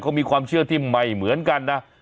เขามีความเชื่อที่ไม่เหมือนกันนะ